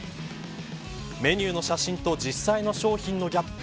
メニューの写真と実際の商品のギャップ